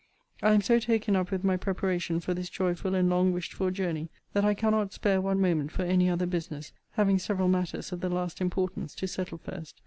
I am so taken up with my preparation for this joyful and long wished for journey, that I cannot spare one moment for any other business, having several matters of the last importance to settle first.